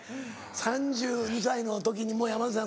３２歳の時にもう山寺さん